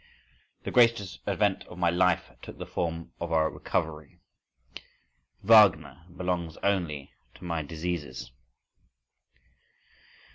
The greatest event of my life took the form of a recovery. Wagner belongs only to my diseases.